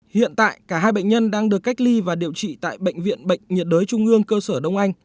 hiện tại cả hai bệnh nhân đang được cách ly và điều trị tại bệnh viện bệnh nhiệt đới trung ương cơ sở đông anh